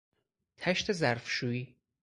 تشت ظرفشویی